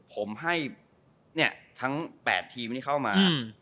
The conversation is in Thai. ผมให้ทั้ง๘ทีมที่เข้ามา